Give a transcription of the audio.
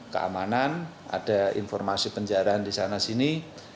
keamanan ada informasi penjarahan di sana sini